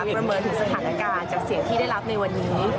ประเมินถึงสถานการณ์จากเสียงที่ได้รับในวันนี้